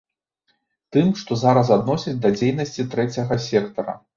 Тым, што зараз адносяць да дзейнасці трэцяга сектара.